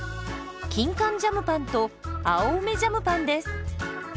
キンカンジャムパンと青梅ジャムパンです。